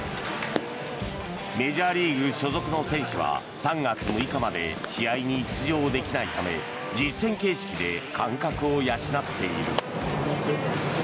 メジャーリーグ所属の選手は３月６日まで試合に出場できないため実戦形式で感覚を養っている。